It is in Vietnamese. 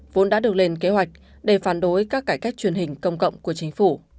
vốn đã được lên kế hoạch để phản đối các cải cách truyền hình công cộng của chính phủ